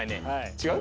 違う？